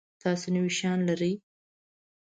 تاسو نوي شیان لرئ؟